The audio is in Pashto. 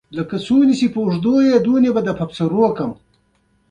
هغه ويده دی، ما ته ووايه!